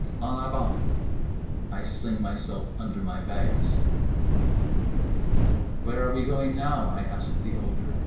En avant. I sling myself under my bags. "Where are we going now?" I asked the older.